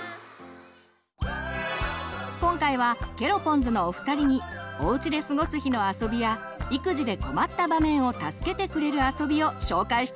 今回はケロポンズのお二人におうちで過ごす日のあそびや育児で困った場面を助けてくれるあそびを紹介してもらいます！